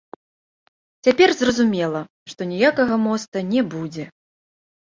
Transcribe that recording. Цяпер зразумела, што ніякага моста не будзе.